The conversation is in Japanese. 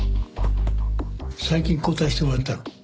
最近交代してもらったの。